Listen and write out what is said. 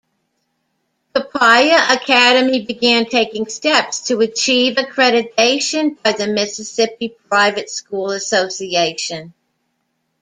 Copiah Academy began taking steps to achieve accreditation by the Mississippi Private School Association.